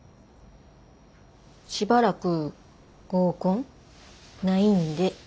しばらく合コンないんで。